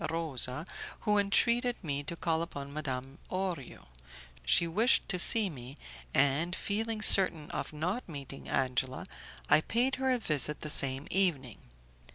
Rosa, who entreated me to call upon Madame Orio; she wished to see me, and, feeling certain of not meeting Angela, I paid her a visit the same evening.